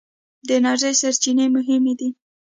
د انرژۍ سرچینې مهمې دي.